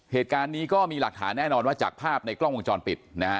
เหตุการณ์นี้ก็มีหลักฐานแน่นอนว่าจากภาพในกล้องวงจรปิดนะฮะ